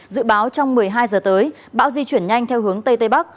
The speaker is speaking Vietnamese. dự báo trong một mươi hai giờ tới bão di chuyển nhanh theo hướng tây tây bắc